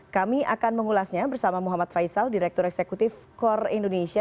kami akan mengulasnya bersama muhammad faisal direktur eksekutif kor indonesia